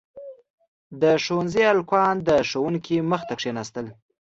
• د ښونځي هلکان د ښوونکي مخې ته کښېناستل.